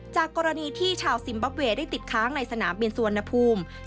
จากกรณีที่ชาวซิมบับเวย์ได้ติดค้างในสนามบินสุวรรณภูมิ